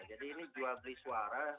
jadi ini jual beli suara